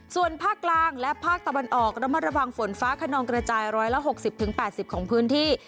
ส่วนภาคกลางและภาคตะวันออกระมัดระวังฝนฟ้าขนองกระจาย๑๖๐๘๐ของพื้นที่